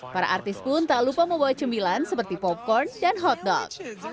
para artis pun tak lupa membawa cemilan seperti popcorn dan hotdog